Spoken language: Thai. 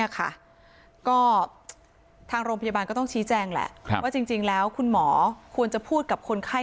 ก็ทางโรงพยาบาลก็ต้องชี้แจงแหละว่าจริงแล้วคุณหมอควรจะพูดกับคนไข้